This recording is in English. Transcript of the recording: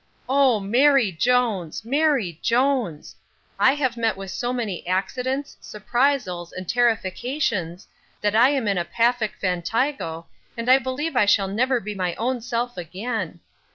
O MARY JONES! MARY JONES! I have met with so many axidents, suprisals, and terrifications, that I am in a pafeck fantigo, and I believe I shall never be my own self again.